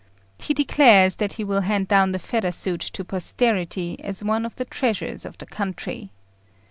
He declares that he will hand down the feather suit to posterity as one of the treasures of the country.